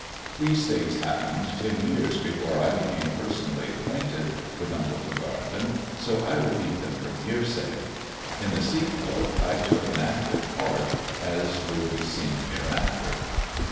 These things happened ten years before I becam personally acquainted with Uncle Tregarthen, so I repea them from hearsay. In the sequel I took an active pan as will be seen hereafter.